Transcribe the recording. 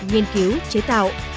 nhiên cứu chế tạo